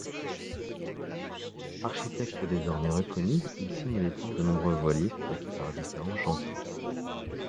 Architecte désormais reconnu, il signe les plans de nombreux voiliers fabriqués par différents chantiers.